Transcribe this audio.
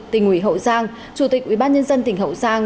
tỉnh ubnd ubnd tỉnh hậu giang chủ tịch ubnd tỉnh hậu giang